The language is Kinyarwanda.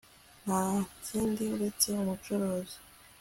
Nta kindi uretse umucuruzi